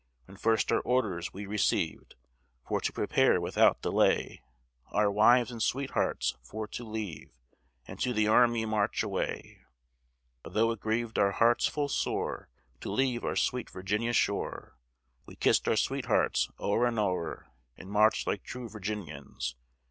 When first our orders we received, For to prepare without delay, Our wives and sweethearts for to leave, And to the army march away, Although it grieved our hearts full sore, To leave our sweet Virginia shore, We kiss'd our sweethearts o'er and o'er, And march'd like true Virginians.